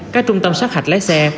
các trung tâm xác hạch lái xe